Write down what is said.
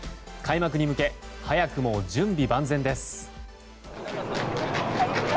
開幕に向け早くも準備万全です。